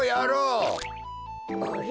あれ？